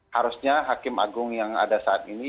harusnya hakim agung yang ada saat ini